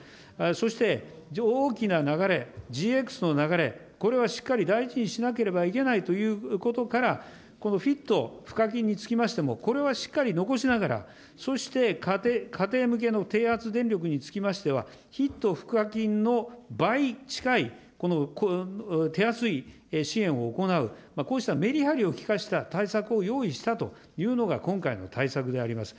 そして大きな流れ、ＧＸの流れ、これはしっかり大事にしなければいけないということから、フィット賦課金につきましても、これはしっかり残しながら、そして家庭向けの低圧電力につきましては、フィット賦課金の倍近い手厚い支援を行う、こうしたメリハリを利かした対策を用意したというのが、今回の対策であります。